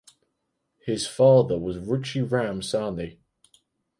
His father was Ruchi Ram Sahni.